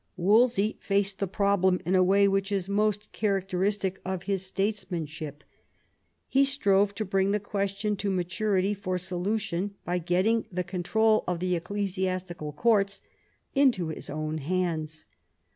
Wolsey faced the problem in a way which is most characteristic of his statesmanship. He strove to bring the question to maturity for solution by getting the control of the ecclesiastical courts into his own hands.